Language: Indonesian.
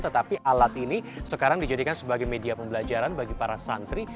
tetapi alat ini sekarang dijadikan sebagai media pembelajaran bagi para santri